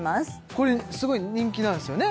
これすごい人気なんですよね？